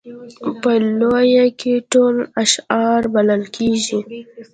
په لویه کې ټول اشاعره بلل کېږي.